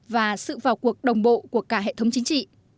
và sự vào cuộc đồng bộ của cả hệ thống chính trị